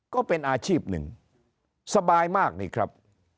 ก็เป็นอาชีพหนึ่งสบายมากนี่ครับ